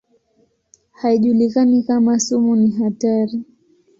Haijulikani kama sumu ni hatari.